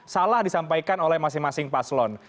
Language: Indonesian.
salah disampaikan oleh masing masing paslon